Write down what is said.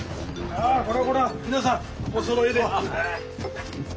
あこれはこれは皆さんおそろいで。